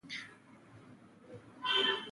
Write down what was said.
د ګرانۍ په موسم کې